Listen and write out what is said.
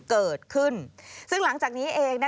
เกิดขึ้นซึ่งหลังจากนี้เอง